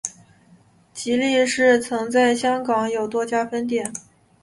吉利市曾在香港有多家分店。